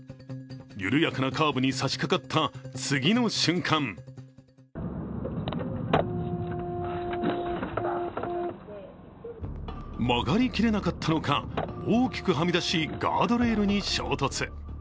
緩やかなカーブに差しかかった、次の瞬間曲がり切れなかったのか、大きくはみ出しガードレールに衝突。